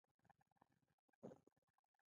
دا د چین پیغام دی.